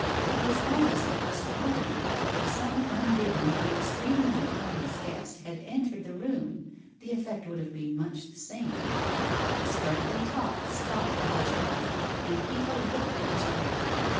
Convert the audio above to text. It was almost a personality; if some unbidden and extremely odious guest had entered the room, the effect would have been much the same. The sprightly talk stopped with a jolt, and people looked at each other.